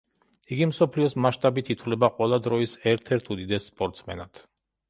იგი მსოფლიოს მაშტაბით ითვლება ყველა დროის ერთ-ერთ უდიდეს სპორტსმენად.